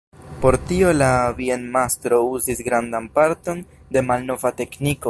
Por tio la bienmastro uzis grandan parton de malnova tekniko.